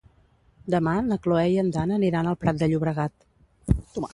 Demà na Cloè i en Dan aniran al Prat de Llobregat.